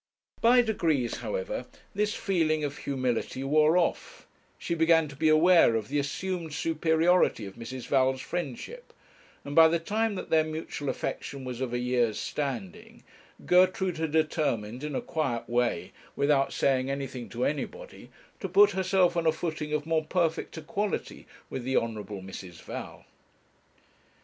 By degrees, however, this feeling of humility wore off; she began to be aware of the assumed superiority of Mrs. Val's friendship, and by the time that their mutual affection was of a year's standing, Gertrude had determined, in a quiet way, without saying anything to anybody, to put herself on a footing of more perfect equality with the Honourable Mrs. Val.